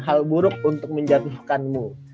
hal buruk untuk menjatuhkanmu